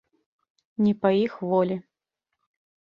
Не па іх волі.